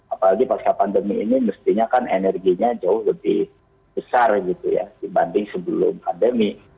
apalagi pasca pandemi ini mestinya kan energinya jauh lebih besar gitu ya dibanding sebelum pandemi